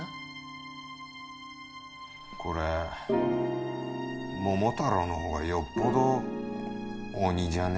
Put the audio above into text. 「これ桃太郎の方がよっぽど鬼じゃね？」